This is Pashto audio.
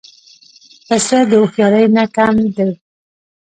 پسه د هوښیارۍ نه کم دی.